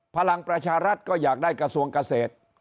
พลังประชารัฐก็อยากได้กระทรวงเกษตร